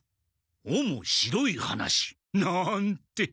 おも白い話。なんて。